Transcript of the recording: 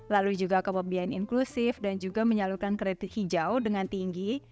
lalu juga kebabian inklusif dan juga menyalurkan kredit hijau dengan tinggi